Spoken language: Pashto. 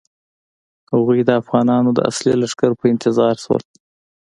هغوی د افغانانو د اصلي لښکر په انتظار شول.